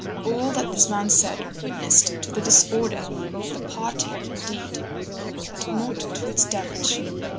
All that this man said witnessed to the disorder of the party indeed, but not to its damage.